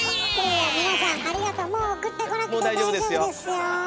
いや皆さんありがともう送ってこなくて大丈夫ですよ。